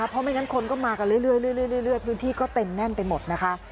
เพราะไม่งั้นคนก็มากันเรื่อยพื้นที่ก็เต็มแน่นไปหมดนะคะ